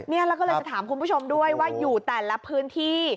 แล้วก็เลยจะถามคุณผู้ชมด้วยว่าอยู่แต่ละพื้นที่